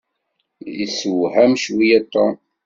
Isewham cwiya Tom.